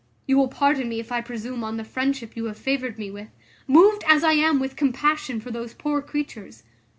You will pardon me if I presume on the friendship you have favoured me with, moved as I am with compassion for those poor creatures.